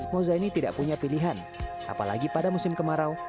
moza ini tidak punya pilihan apalagi pada musim kemarau